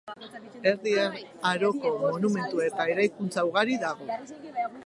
Erdi Aroko monumentu eta eraikuntza ugari dago.